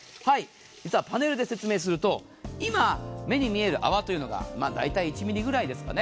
実はパネルで説明すると今、目に見える泡というのが大体、１ｍｍくらいですかね。